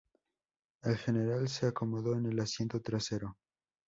El general se acomodó en el asiento trasero.